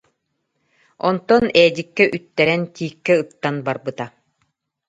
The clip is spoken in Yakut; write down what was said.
Онтон Эдиккэ үттэрэн, тииккэ ыттан барбыта